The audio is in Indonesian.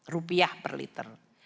rupiah per liter